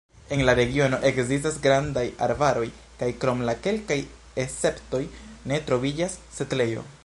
En la regiono ekzistas grandaj arbaroj kaj krom la kelkaj esceptoj ne troviĝas setlejo.